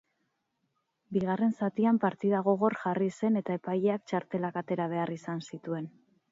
Bigarren zatian partida gogor jarri zen eta epaileak txartelak atera behar izan zituen.